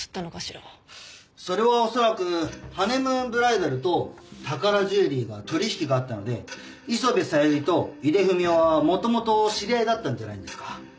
それはおそらくハネムーンブライダルと宝ジュエリーが取引があったので磯部小百合と井出文雄は元々知り合いだったんじゃないんですか？